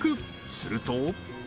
すると。